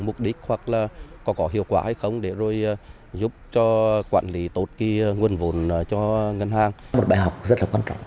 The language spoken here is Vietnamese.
một bài học rất là quan trọng